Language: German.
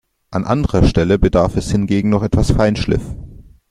An anderer Stelle bedarf es hingegen noch etwas Feinschliff.